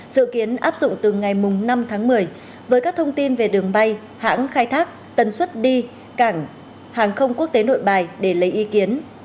dự kiến áp dụng từ ngày năm tháng một mươi với các thông tin về đường bay hãng khai thác tần suất đi cảng hàng không quốc tế nội bài để lấy ý kiến